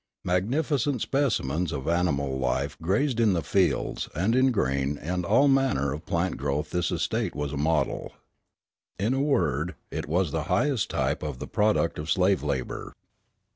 Magnificent specimens of animal life grazed in the fields, and in grain and all manner of plant growth this estate was a model. In a word, it was the highest type of the product of slave labor.